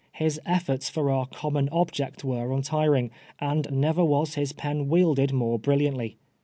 His efforts for our common object were untiring, and aever was his pen wielded more brilliantly.